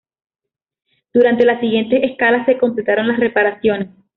Durante las siguientes escalas se completaron las reparaciones.